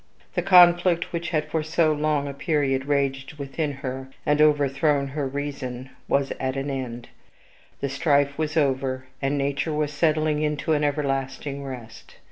The conflict, which had for so long a period raged within her, and overthrown her reason, was at an end; the strife was over, and nature was settling into an everlasting rest.